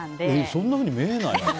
そんなふうに見えない。